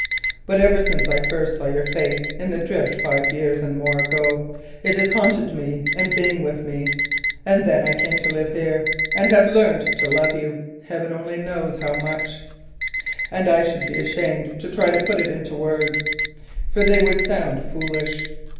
But ever since I first saw your face in the drift five years and more ago, it has haunted me and been with me. Then I came to live here and I have learnt to love you, heaven only knows how much, and I should be ashamed to try to put it into words, for they would sound foolish.